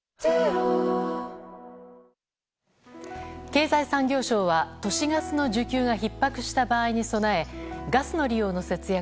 経済産業省は都市ガスの需給がひっ迫した場合に備えガスの利用の節約